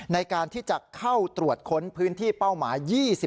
ในการที่จะเข้าตรวจค้นพื้นที่เป้าหมาย๒๐